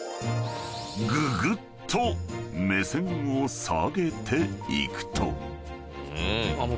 ［ぐぐっと目線を下げていくと］